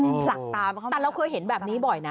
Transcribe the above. ปลักตากเข้ามาแต่เราเคยเห็นแบบนี้บ่อยนะ